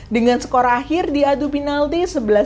dengan skor akhir di adu penalti sebelas sepuluh